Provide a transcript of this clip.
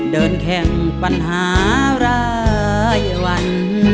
เดินแข่งปัญหารายวัน